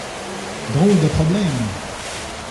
Drôle de problème!